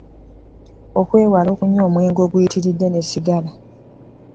Okwewala okunywa omwenge oguyitiridde ne ssigala